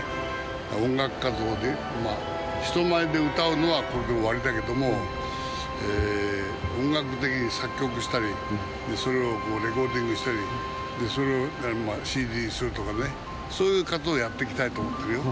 音楽活動、人前で歌うのはこれで終わりだけども、えー、音楽的に作曲したり、それをこう、レコーディングしたり、それをＣＤにするとかね、そういう活動はやっていきたいと思ってるよ。